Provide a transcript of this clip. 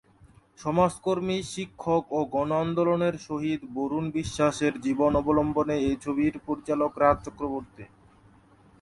সমাজকর্মী, শিক্ষক ও গন আন্দোলনের শহীদ বরুণ বিশ্বাসের জীবন অবলম্বনে এই ছবিটির পরিচালক রাজ চক্রবর্তী।